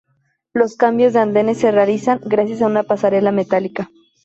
Los cambios de andenes se realizan gracias a una pasarela metálica.